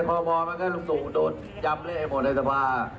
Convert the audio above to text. พอมองก็ให้ลุงตู่ดูดยำเละให้หมดเลยสภาพ